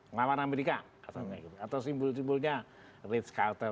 ngawar amerika atau simbol simbolnya red scout